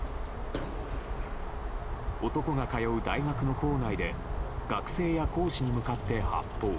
男が通う大学の構内で学生や講師に向かって発砲。